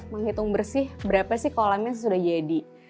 menghitung bersih berapa sih kolamnya sudah jadi